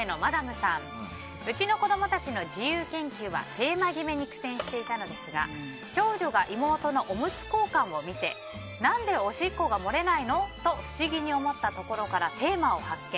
うちの子供たちの自由研究はテーマ決めに苦戦していたのですが長女が妹のおむつ交換を見て何でおしっこがもれないの？と不思議に思ったところからテーマを発見。